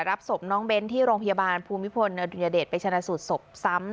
รับศพน้องเบ้นที่โรงพยาบาลภูมิพลอดุญเดชไปชนะสูตรศพซ้ำ